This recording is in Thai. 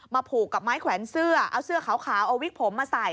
ผูกกับไม้แขวนเสื้อเอาเสื้อขาวเอาวิกผมมาใส่